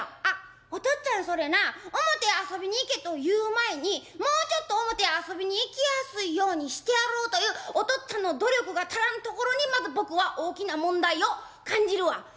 「あっおとっつぁんそれな表遊びに行けと言う前にもうちょっと表遊びに行きやすいようにしてやろうというおとっつぁんの努力が足らんところにまず僕は大きな問題を感じるわ」。